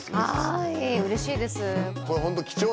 はい嬉しいです